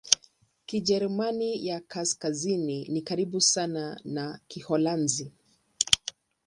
Kijerumani ya Kaskazini ni karibu sana na Kiholanzi.